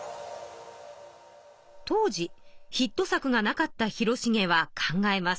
当時ヒット作がなかった広重は考えます。